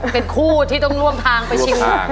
เป็นคู่ที่ต้องร่วมทางไปชิง